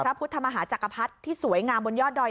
พระพุทธมหาจักรพรรดิที่สวยงามบนยอดดอย